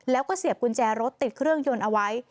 แล้วก็เสียบกุญแจรถติดเครื่องยนต์เอาไว้